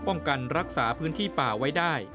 ป้องกันรักษาพื้นที่ป่าไว้ได้